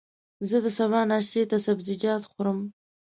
زه د سبا ناشتې ته سبزيجات خورم.